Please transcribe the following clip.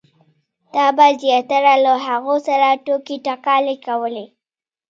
تا به زیاتره له هغو سره ټوکې ټکالې کولې.